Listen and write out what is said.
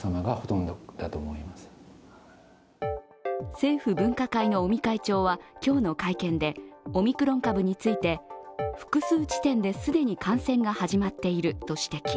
政府・分科会の尾身会長は今日の会見でオミクロン株について複数地点で、既に感染が始まっていると指摘。